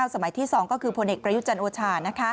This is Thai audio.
สมัยที่๒ก็คือผลเอกประยุจันทร์โอชา